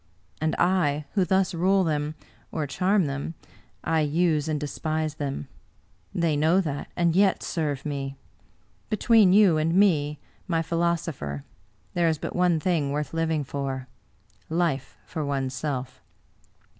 And I, who thus rule them, or charm them — I use and despise them. They know that, and yet 73 English Mystery Stories serve me! Between you and me, my philosopher, there is but one thing worth living for — ^life for oneself."